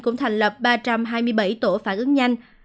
cũng thành lập ba trăm hai mươi bảy tổ phản ứng nhanh